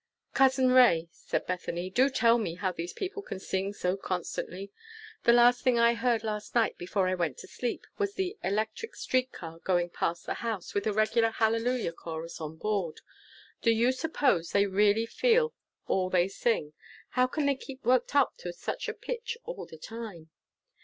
"Cousin Ray," said Bethany, "do tell me how these people can sing so constantly. The last thing I heard last night before I went to sleep was the electric street car going past the house, with a regular hallelujah chorus on board. Do you suppose they really feel all they sing? How can they keep worked up to such a pitch all the time?"